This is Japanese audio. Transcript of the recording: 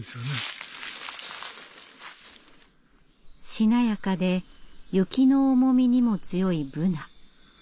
しなやかで雪の重みにも強いブナ。